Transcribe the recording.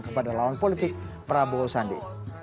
kepada lawan politik prabowo sandi